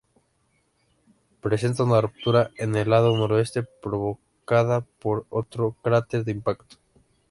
Presenta una ruptura en el lado noroeste, provocada por otro cráter de impacto.